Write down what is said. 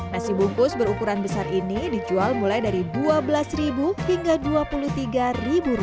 nasi bungkus berukuran besar ini dijual mulai dari rp dua belas hingga rp dua puluh tiga